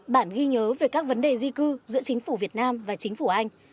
bản ghi nhớ về các vấn đề di cư giữa chính phủ việt nam và chính phủ anh